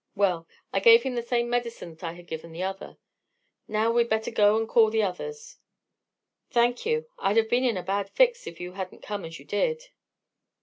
"Well, I gave him the same medicine that I had given the other. Now we'd better go and call the others." "Thank you. I'd have been in a bad fix, if you hadn't come as you did."